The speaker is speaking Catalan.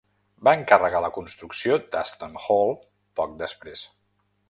Va encarregar la construcció d'Aston Hall poc després.